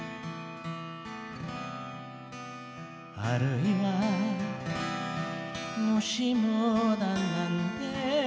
「『或いは』『もしも』だなんて」